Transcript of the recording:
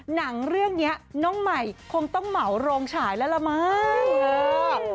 หนังเรื่องนี้น้องใหม่คงต้องเหมาโรงฉายแล้วล่ะมั้ง